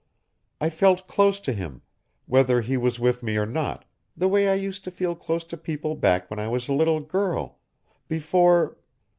"I felt close to him, whether he was with me or not, the way I used to feel close to people back when I was a little girl, before